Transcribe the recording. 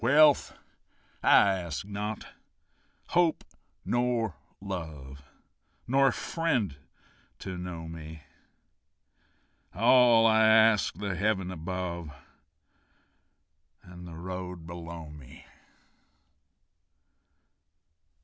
Wealth I ask not, hope nor love, Nor a friend to know me; All I ask, the heaven above And the road below me.